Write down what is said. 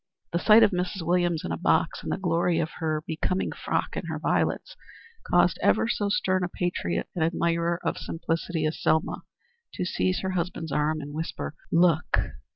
The sight of Mrs. Williams in a box, in the glory of her becoming frock and her violets, caused even so stern a patriot and admirer of simplicity as Selma to seize her husband's arm and whisper: "Look."